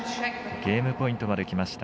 ゲームポイントまできました。